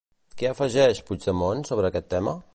Què afegeix Puigdemont sobre aquest tema?